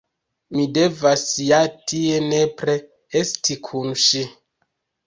Mi devas ja tie nepre esti kun ŝi.